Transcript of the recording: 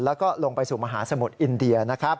แล้วก็ลงไปสู่มหาสมุทรอินเดียนะครับ